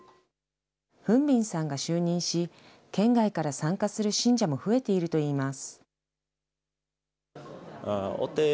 フン・ビンさんが就任し、県外から参加する信者も増えているといいます。